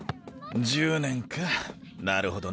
１０年かなるほどな。